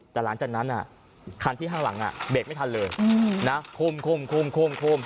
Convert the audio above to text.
แต่หลังจากนั้นอ่ะครั้นที่ข้างหลังอ่ะเบรกไม่ทันเลยอืมนะควมคร่วงคร่วง